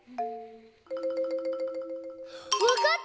わかった！